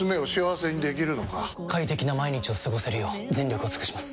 快適な毎日を過ごせるよう全力を尽くします！